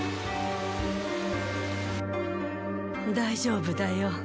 大丈夫だよ。